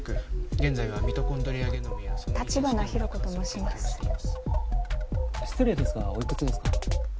現在はミトコンドリアゲノムや立花弘子と申します失礼ですがおいくつですか？